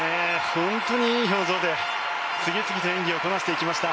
本当にいい表情で次々と演技をこなしていきました。